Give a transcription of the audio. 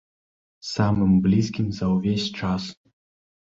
Самым блізкім за ўвесь час.